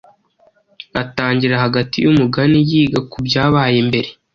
atangirira hagati yumugani, yiga kubyabaye mbere